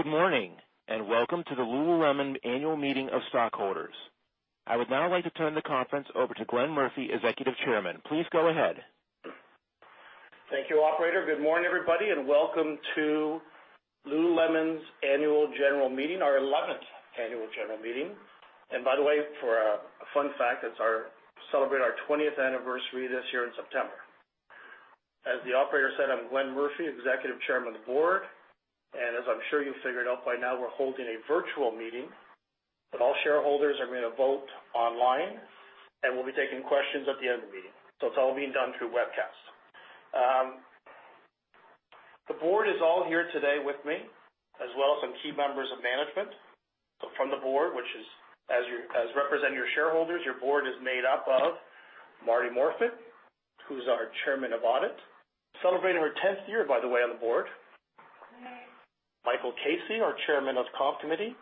Good morning, and welcome to the Lululemon Annual Meeting of Stockholders. I would now like to turn the conference over to Glenn Murphy, Executive Chairman. Please go ahead. Thank you, operator. Good morning, everybody, and welcome to Lululemon's Annual General Meeting, our 11th Annual General Meeting. By the way, for a fun fact, that celebrate our 20th anniversary this year in September. As the operator said, I'm Glenn Murphy, Executive Chairman of the Board, and as I'm sure you've figured out by now, we're holding a virtual meeting, but all shareholders are going to vote online, and we'll be taking questions at the end of the meeting. It's all being done through webcast. The board is all here today with me as well as some key members of management. From the board, which is representing your shareholders, your board is made up of Martha Morfitt, who's our Chairman of Audit, celebrating her 10th year, by the way, on the board. Michael Casey, our Chairman of Comp Committee.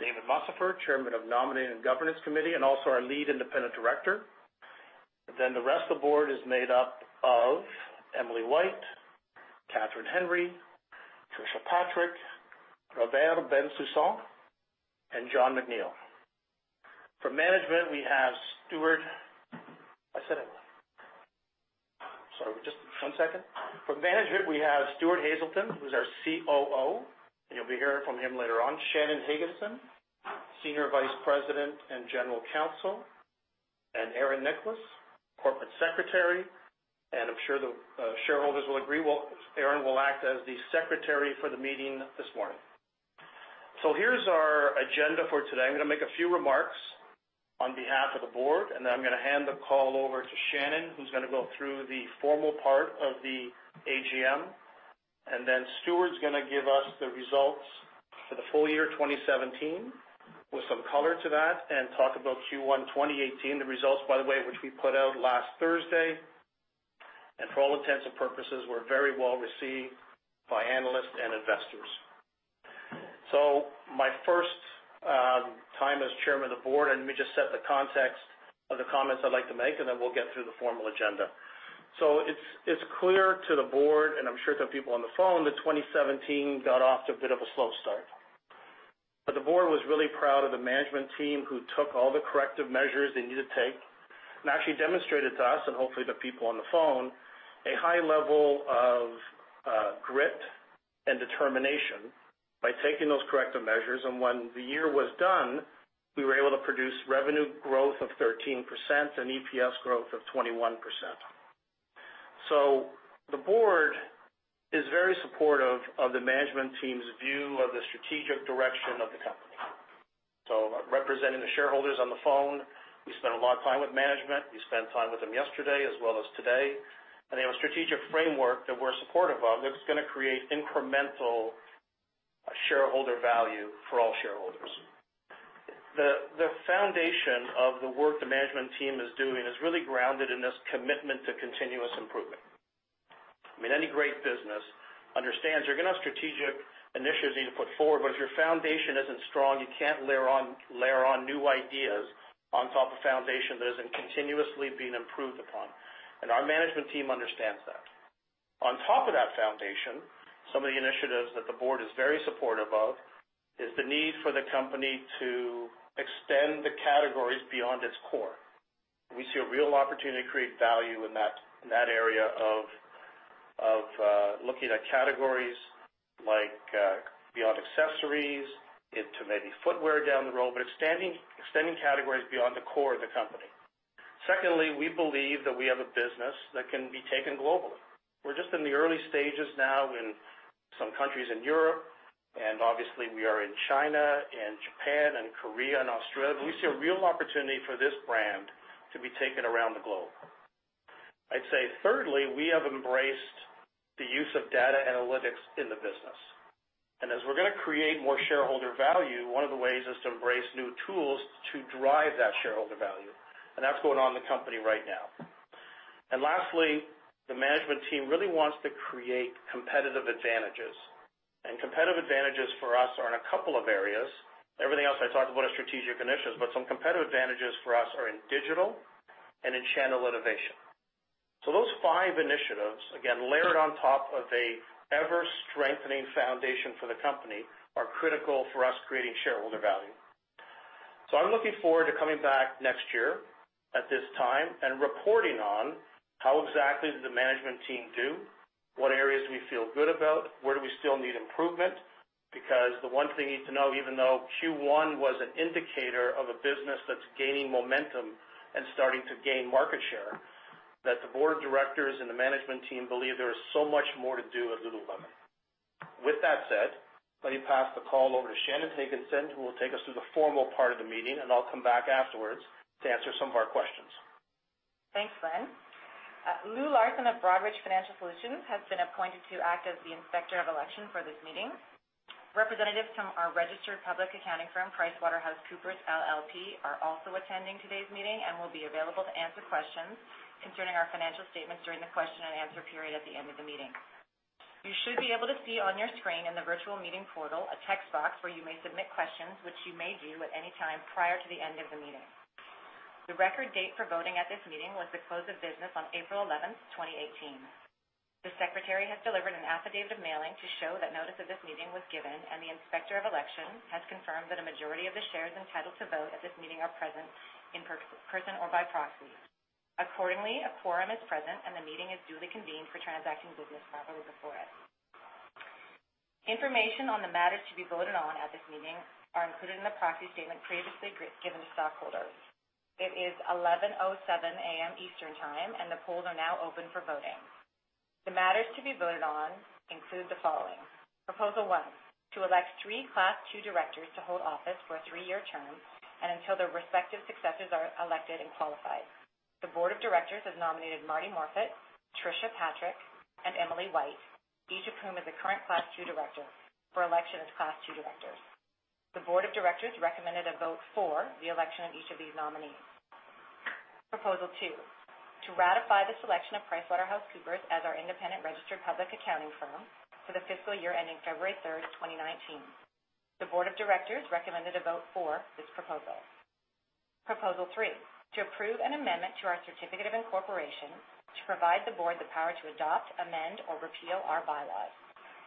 David Mussafer, Chairman of Nominating and Governance Committee and also our Lead Independent Director. The rest of the board is made up of Emily White, Kathryn Henry, Tricia Patrick, Robert Bensoussan, and Jon McNeill. From management, we have Stuart Haselden, who's our COO, and you'll be hearing from him later on. Shannon Higginson, Senior Vice President and General Counsel, and Erin Nicholas, Corporate Secretary, and I'm sure the shareholders will agree, Erin will act as the secretary for the meeting this morning. Here's our agenda for today. I'm going to make a few remarks on behalf of the board, and then I'm going to hand the call over to Shannon, who's going to go through the formal part of the AGM, and then Stuart's going to give us the results for the full year 2017 with some color to that and talk about Q1 2018, the results, by the way, which we put out last Thursday, and for all intents and purposes, were very well received by analysts and investors. My first time as Chairman of the Board, and let me just set the context of the comments I'd like to make, and then we'll get through the formal agenda. It's clear to the board, and I'm sure to people on the phone, that 2017 got off to a bit of a slow start. The board was really proud of the management team who took all the corrective measures they needed to take and actually demonstrated to us and hopefully the people on the phone, a high level of grit and determination by taking those corrective measures and when the year was done, we were able to produce revenue growth of 13% and EPS growth of 21%. The board is very supportive of the management team's view of the strategic direction of the company. Representing the shareholders on the phone, we spent a lot of time with management. We spent time with them yesterday as well as today. They have a strategic framework that we're supportive of that's going to create incremental shareholder value for all shareholders. The foundation of the work the management team is doing is really grounded in this commitment to continuous improvement. Any great business understands you're going to have strategic initiatives you need to put forward, if your foundation isn't strong, you can't layer on new ideas on top of foundation that isn't continuously being improved upon, and our management team understands that. On top of that foundation, some of the initiatives that the board is very supportive of is the need for the company to extend the categories beyond its core. We see a real opportunity to create value in that area of looking at categories like beyond accessories into maybe footwear down the road, but extending categories beyond the core of the company. Secondly, we believe that we have a business that can be taken globally. We're just in the early stages now in some countries in Europe, and obviously we are in China and Japan and Korea and Australia. We see a real opportunity for this brand to be taken around the globe. I'd say thirdly, we have embraced the use of data analytics in the business. As we're going to create more shareholder value, one of the ways is to embrace new tools to drive that shareholder value, and that's going on in the company right now. Lastly, the management team really wants to create competitive advantages, and competitive advantages for us are in a couple of areas. Everything else I talked about are strategic initiatives, some competitive advantages for us are in digital and in channel innovation. Those five initiatives, again, layered on top of an ever-strengthening foundation for the company, are critical for us creating shareholder value. I'm looking forward to coming back next year at this time and reporting on how exactly did the management team do, what areas do we feel good about, where do we still need improvement? The one thing you need to know, even though Q1 was an indicator of a business that's gaining momentum and starting to gain market share, that the board of directors and the management team believe there is so much more to do at Lululemon. With that said, let me pass the call over to Shannon Higginson, who will take us through the formal part of the meeting, and I'll come back afterwards to answer some of our questions. Thanks, Glenn. Louis Larson of Broadridge Financial Solutions has been appointed to act as the Inspector of Election for this meeting. Representatives from our registered public accounting firm, PricewaterhouseCoopers, LLP, are also attending today's meeting and will be available to answer questions concerning our financial statements during the question and answer period at the end of the meeting. You should be able to see on your screen in the virtual meeting portal a text box where you may submit questions, which you may do at any time prior to the end of the meeting. The record date for voting at this meeting was the close of business on April 11th, 2018. The Secretary has delivered an affidavit of mailing to show that notice of this meeting was given, and the Inspector of Election has confirmed that a majority of the shares entitled to vote at this meeting are present in person or by proxy. Accordingly, a quorum is present, and the meeting is duly convened for transacting business properly before us. Information on the matters to be voted on at this meeting are included in the proxy statement previously given to stockholders. It is 11:07 A.M. Eastern Time, and the polls are now open for voting. The matters to be voted on include the following. Proposal one, to elect three Class II directors to hold office for a three-year term and until their respective successors are elected and qualified. The board of directors has nominated Martha Morfitt, Tricia Patrick, and Emily White, each of whom is a current Class II director, for election as Class II directors. The board of directors recommended a vote for the election of each of these nominees. Proposal two, to ratify the selection of PricewaterhouseCoopers as our independent registered public accounting firm for the fiscal year ending February 3rd, 2019. The board of directors recommended a vote for this proposal. Proposal three, to approve an amendment to our certificate of incorporation to provide the board the power to adopt, amend, or repeal our bylaws.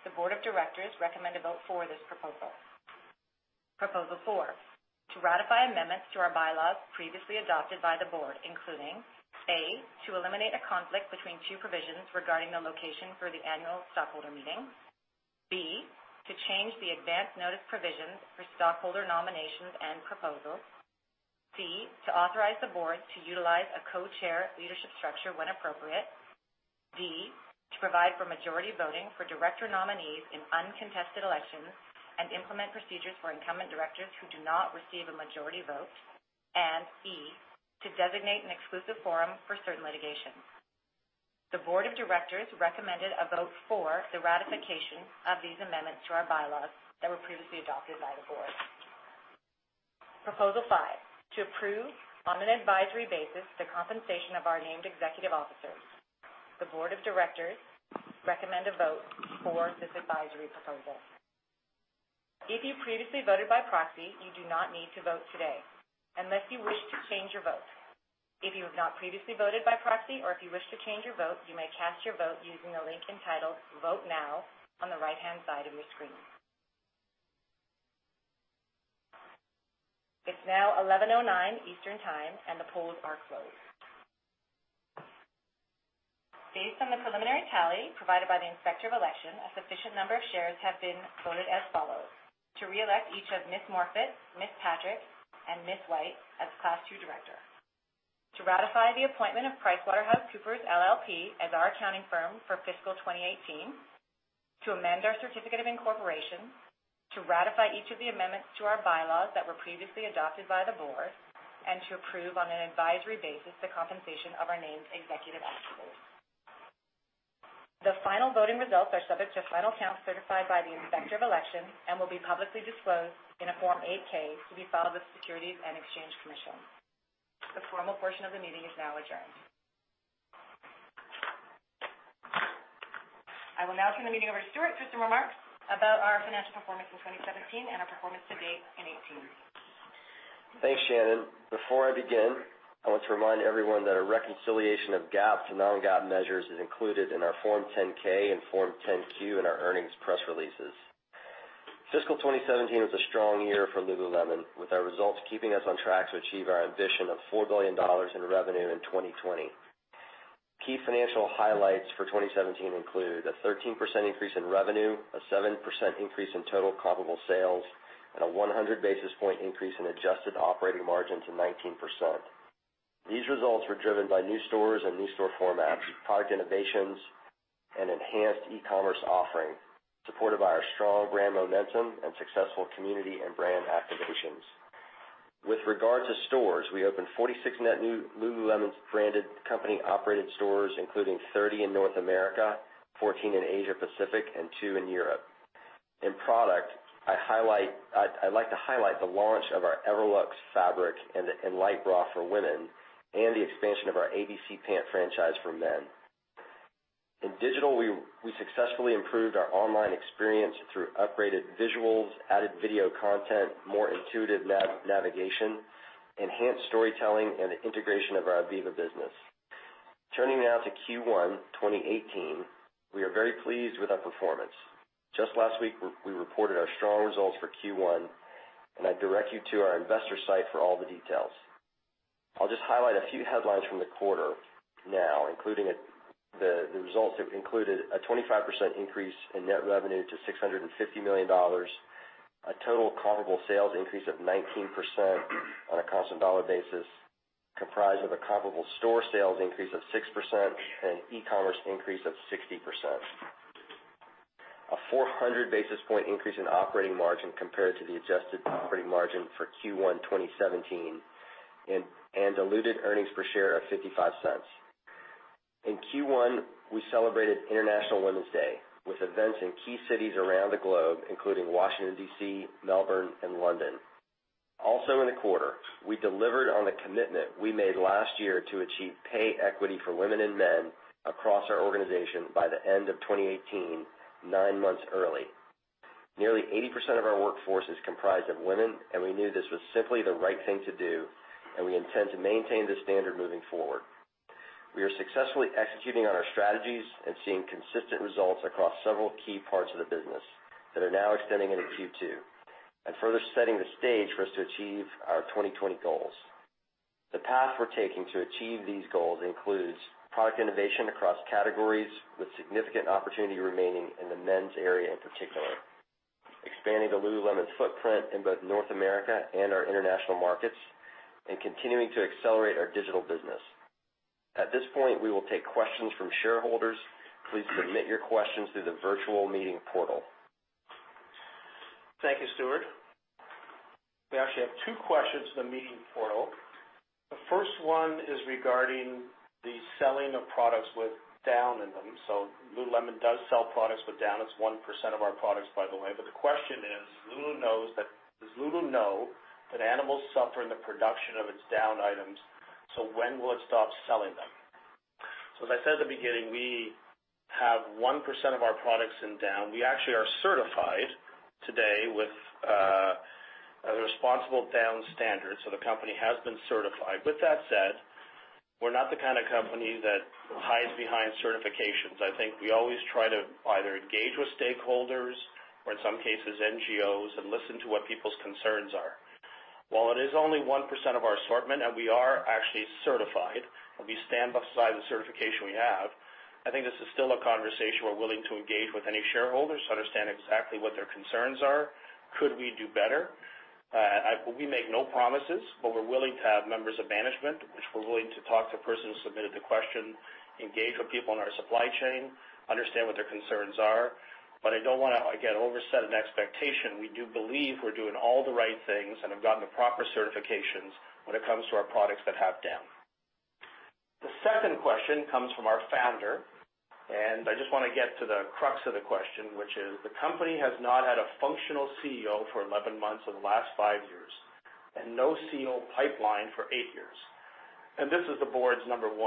The board of directors recommended a vote for this proposal. Proposal four, to ratify amendments to our bylaws previously adopted by the board, including, A, to eliminate a conflict between two provisions regarding the location for the annual stockholder meeting. B, to change the advance notice provisions for stockholder nominations and proposals. C, to authorize the board to utilize a co-chair leadership structure when appropriate. D, to provide for majority voting for director nominees in uncontested elections and implement procedures for incumbent directors who do not receive a majority vote. E, to designate an exclusive forum for certain litigation. The board of directors recommended a vote for the ratification of these amendments to our bylaws that were previously adopted by the board. Proposal five, to approve on an advisory basis the compensation of our named executive officers. The board of directors recommended a vote for this advisory proposal. If you previously voted by proxy, you do not need to vote today unless you wish to change your vote. If you have not previously voted by proxy or if you wish to change your vote, you may cast your vote using the link entitled Vote Now on the right-hand side of your screen. It's now 11:09 Eastern Time, the polls are closed. Based on the preliminary tally provided by the Inspector of Election, a sufficient number of shares have been voted as follows. To reelect each of Ms. Morfitt, Ms. Patrick, and Ms. White as Class II director. To ratify the appointment of PricewaterhouseCoopers, LLP, as our accounting firm for fiscal 2018. To amend our certificate of incorporation. To ratify each of the amendments to our bylaws that were previously adopted by the board. And to approve on an advisory basis the compensation of our named executive officers. The final voting results are subject to final count certified by the Inspector of Election and will be publicly disclosed in a Form 8-K to be filed with the Securities and Exchange Commission. The formal portion of the meeting is now adjourned. I will now turn the meeting over to Stuart for some remarks about our financial performance in 2017 and our performance to date in 2018. Thanks, Shannon. Before I begin, I want to remind everyone that a reconciliation of GAAP to non-GAAP measures is included in our Form 10-K and Form 10-Q in our earnings press releases. Fiscal 2017 was a strong year for Lululemon, with our results keeping us on track to achieve our ambition of $4 billion in revenue in 2020. Key financial highlights for 2017 include a 13% increase in revenue, a 7% increase in total comparable sales, and a 100-basis point increase in adjusted operating margin to 19%. These results were driven by new stores and new store formats, product innovations, and enhanced e-commerce offering, supported by our strong brand momentum and successful community and brand activations. With regard to stores, we opened 46 net new Lululemon-branded company-operated stores, including 30 in North America, 14 in Asia Pacific, and two in Europe. In product, I'd like to highlight the launch of our Everlux fabric and Enlite Bra for women and the expansion of our ABC pant franchise for men. In digital, we successfully improved our online experience through upgraded visuals, added video content, more intuitive navigation, enhanced storytelling, and integration of our ivivva business. Turning now to Q1 2018, we are very pleased with our performance. Just last week, we reported our strong results for Q1, and I direct you to our investor site for all the details. I'll just highlight a few headlines from the quarter now, including the results that included a 25% increase in net revenue to $650 million. A total comparable sales increase of 19% on a constant dollar basis, comprised of a comparable store sales increase of 6% and e-commerce increase of 60%. A 400-basis point increase in operating margin compared to the adjusted operating margin for Q1 2017, and diluted earnings per share of $0.55. In Q1, we celebrated International Women's Day with events in key cities around the globe, including Washington, D.C., Melbourne, and London. In the quarter, we delivered on the commitment we made last year to achieve pay equity for women and men across our organization by the end of 2018, nine months early. Nearly 80% of our workforce is comprised of women. We knew this was simply the right thing to do. We intend to maintain this standard moving forward. We are successfully executing on our strategies and seeing consistent results across several key parts of the business that are now extending into Q2, further setting the stage for us to achieve our 2020 goals. The path we're taking to achieve these goals includes product innovation across categories, with significant opportunity remaining in the men's area in particular, expanding the Lululemon footprint in both North America and our international markets, continuing to accelerate our digital business. At this point, we will take questions from shareholders. Please submit your questions through the virtual meeting portal. Thank you, Stuart. We actually have two questions in the meeting portal. The first one is regarding the selling of products with down in them. Lululemon does sell products with down. It's 1% of our products, by the way. The question is, does Lulu know that animals suffer in the production of its down items? When will it stop selling them? As I said at the beginning, we have 1% of our products in down. We actually are certified today with a Responsible Down Standard. The company has been certified. With that said, we're not the kind of company that hides behind certifications. I think we always try to either engage with stakeholders or in some cases NGOs and listen to what people's concerns are. While it is only 1% of our assortment. We are actually certified. We stand beside the certification we have. I think this is still a conversation we're willing to engage with any shareholders to understand exactly what their concerns are. Could we do better? We make no promises. We're willing to have members of management, which we're willing to talk to the person who submitted the question, engage with people in our supply chain, understand what their concerns are. I don't want to, again, overset an expectation. We do believe we're doing all the right things and have gotten the proper certifications when it comes to our products that have down. The second question comes from our founder. I just want to get to the crux of the question, which is: the company has not had a functional CEO for 11 months in the last 5 years, and no CEO pipeline for 8 years, and this is the board's number 1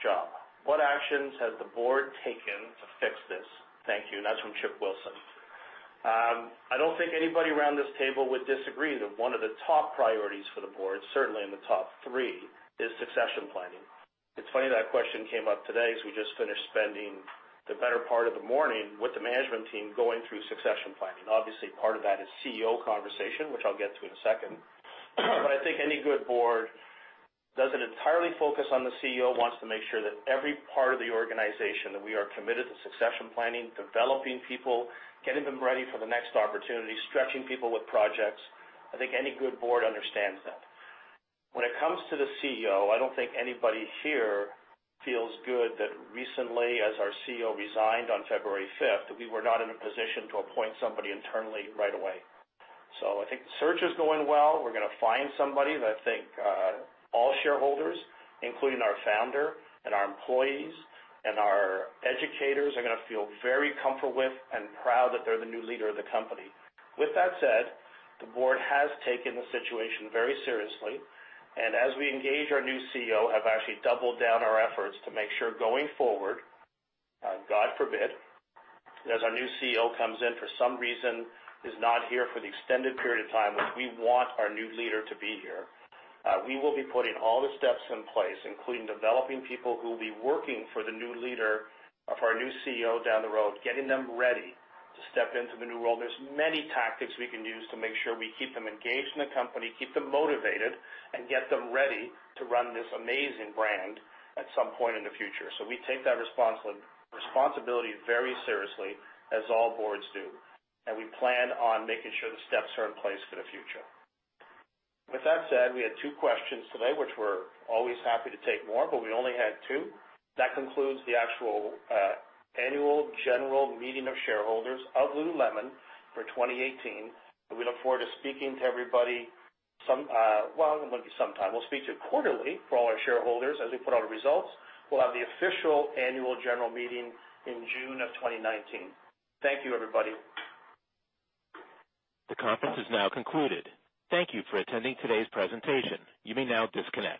job. What actions has the board taken to fix this? Thank you. That's from Chip Wilson. I don't think anybody around this table would disagree that one of the top priorities for the board, certainly in the top 3, is succession planning. It's funny that question came up today as we just finished spending the better part of the morning with the management team going through succession planning. Obviously, part of that is CEO conversation, which I'll get to in a second. I think any good board doesn't entirely focus on the CEO, wants to make sure that every part of the organization, that we are committed to succession planning, developing people, getting them ready for the next opportunity, stretching people with projects. I think any good board understands that. When it comes to the CEO, I don't think anybody here feels good that recently, as our CEO resigned on February 5th, we were not in a position to appoint somebody internally right away. I think the search is going well. We're going to find somebody that I think all shareholders, including our founder and our employees and our educators, are going to feel very comfortable with and proud that they're the new leader of the company. With that said, the board has taken the situation very seriously, and as we engage our new CEO, have actually doubled down our efforts to make sure going forward, God forbid, as our new CEO comes in for some reason, is not here for the extended period of time, which we want our new leader to be here. We will be putting all the steps in place, including developing people who will be working for the new leader of our new CEO down the road, getting them ready to step into the new role. There's many tactics we can use to make sure we keep them engaged in the company, keep them motivated, and get them ready to run this amazing brand at some point in the future. We take that responsibility very seriously, as all boards do, and we plan on making sure the steps are in place for the future. With that said, we had 2 questions today, which we're always happy to take more, but we only had 2. That concludes the actual annual general meeting of shareholders of Lululemon for 2018. We look forward to speaking to everybody some well, it won't be sometime. We'll speak to you quarterly for all our shareholders as we put out results. We'll have the official annual general meeting in June of 2019. Thank you, everybody. The conference is now concluded. Thank you for attending today's presentation. You may now disconnect.